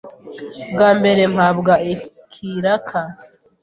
Bwa mbere mpabwa ikiraka,